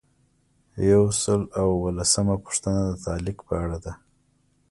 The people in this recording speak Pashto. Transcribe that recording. یو سل او اووه لسمه پوښتنه د تعلیق په اړه ده.